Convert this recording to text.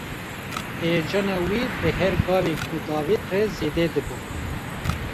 Heyecana wî bi her gaveke ku davêt re zêde dibû.